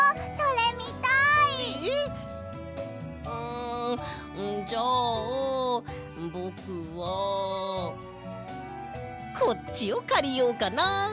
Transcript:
んじゃあぼくはこっちをかりようかな。